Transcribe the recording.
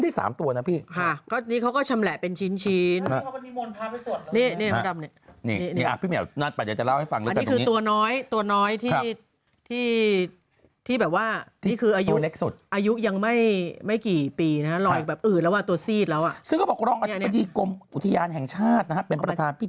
บ้านเขาเรียกว่าบ้านหนีไภบ้านอบพยพดูแลดีมากนะครับ